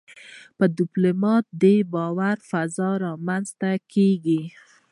ډيپلومات د باور فضا رامنځته کوي.